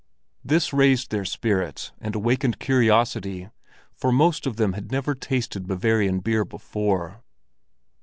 This raised their spirits and awakened curiosity, for most of them had never tasted Bavarian beer before.